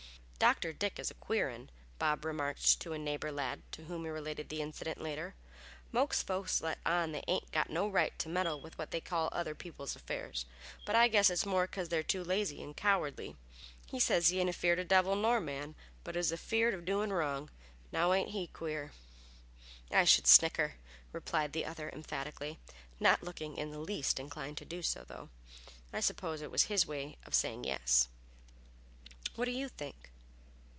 "Dr. Dick is a queer un," Bob remarked to a neighbor lad to whom he related the incident later. "Most folks let on they hain't no right to meddle with what they call other people's affairs, but I guess it's more 'cause they're too lazy and cowardly. He says he ain't afeard of devil nor man, but is afeard of doin' wrong. Now, ain't he queer?" "I should snicker!" replied the other emphatically, not looking in the least inclined to do so, though. I suppose it was his way of saying yes. What do you think?